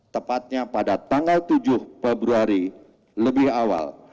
tepatnya pada tanggal tujuh februari lebih awal